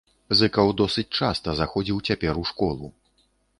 Зыкаў досыць часта заходзіў цяпер у школу.